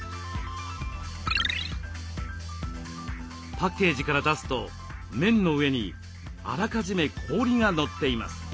パッケージから出すと麺の上にあらかじめ氷が載っています。